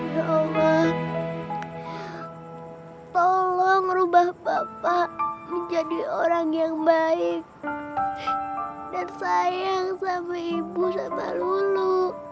doma tolong rubah bapak menjadi orang yang baik dan sayang sama ibu sama lulu